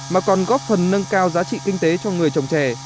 mà còn góp phần nâng cao giá trị kinh tế cho người trồng chè